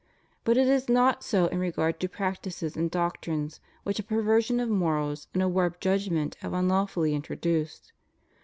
But it is not so in regard to practices and doctrines which a perversion of morals and a warped judgment have unlawfully introduced.